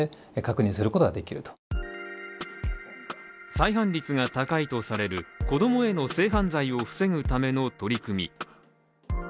再犯率が高いとされる子供への性犯罪を防ぐための取り組み。